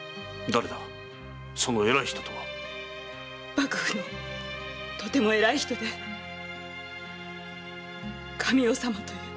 幕府のとても偉い人で神尾様という。